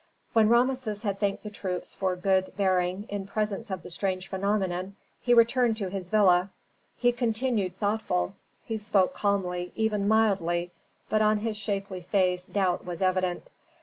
When Rameses had thanked the troops for good bearing in presence of the strange phenomenon, he returned to his villa. He continued thoughtful, he spoke calmly, even mildly, but on his shapely face doubt was evident.